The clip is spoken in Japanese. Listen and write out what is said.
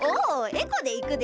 エコでいくで。